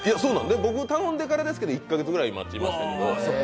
僕、頼んでからですけど１カ月ぐらい待ちました。